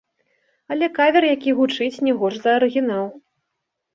Але кавер, які гучыць не горш за арыгінал.